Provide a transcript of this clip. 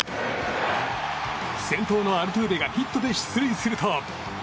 先頭のアルトゥーベがヒットで出塁すると。